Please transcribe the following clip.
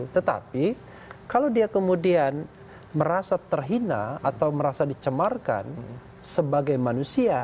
tetapi kalau dia kemudian merasa terhina atau merasa dicemarkan sebagai manusia